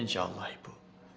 insya allah ibu